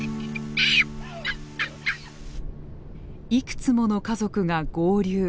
いくつもの家族が合流。